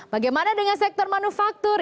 bagaimana dengan sektor manufaktur